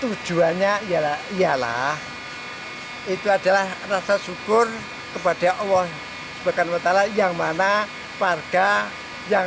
tujuannya ialah itu adalah rasa syukur kepada allah swt yang mana warga yang saya sebutkan tadi